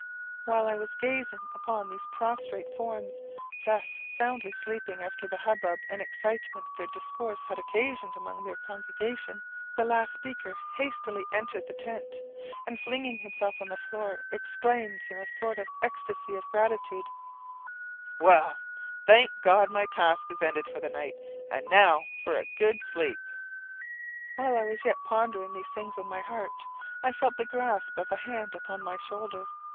While I was gazing upon these prostrate forms, thus soundly sleeping after the hubbub and excitement their discourse had occasioned among their congregation, the last speaker hastily entered the tent, and flinging himself on to the floor, exclaimed, in a sort of ecstacy of gratitude 'Well, thank God my task is ended for the night; and now for a good sleep!' "While I was yet pondering these things in my heart, I felt the grasp of a hand upon my shoulder.